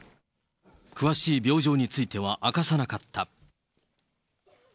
詳しい病状については明かさなかった。